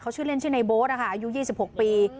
เขาชื่อเล่นชื่อในโบสต์นะคะอายุยี่สิบหกปี